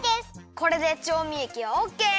これでちょうみえきはオッケー！